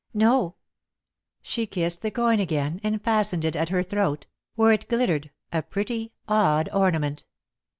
"No!" She kissed the coin again and fastened it at her throat, where it glittered a pretty, odd ornament.